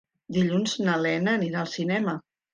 Dilluns na Lena anirà al cinema.